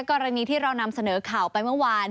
กรณีที่เรานำเสนอข่าวไปเมื่อวาน